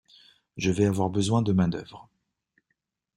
Je vais avoir besoin de main-d’œuvre.